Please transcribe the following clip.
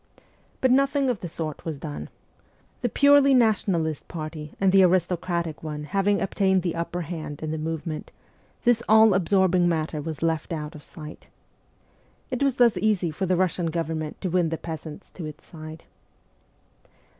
But nothing of the sort was done. The purely nationalist party and the aristocratic one having obtained the upper hand in the movement, this all absorbing matter was left out of sight. It was thus easy for the Russian Govern ment to win the peasants to its side.